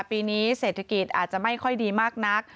ปีนี้เศรษฐกิจอาจจะไม่ค่อยดีมากนัก